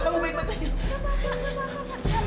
kamu baik baik saja